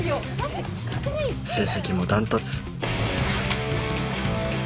成績も断トツ